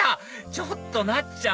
ちょっとなっちゃん！